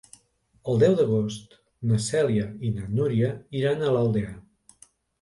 El deu d'agost na Cèlia i na Núria iran a l'Aldea.